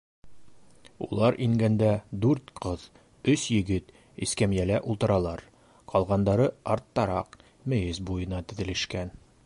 Улар ингәндә дүрт ҡыҙ, өс егет эскәмйәлә ултыралар, ҡалғандары арттараҡ, мейес буйына теҙелешкән.